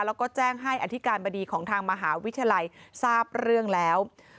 แล้วก็แจ้งให้อธิการบดีของทางมหาวิทยาลัยทราบเรื่องแล้ว